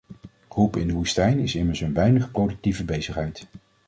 Roepen in de woestijn is immers een weinig productieve bezigheid.